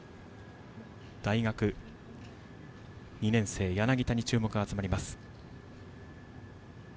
大学２年生、柳田に注目が集まります。